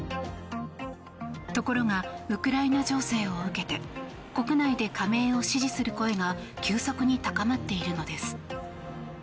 ところがウクライナ情勢を受けて国内で加盟を支持する声が急速に高まっているのです。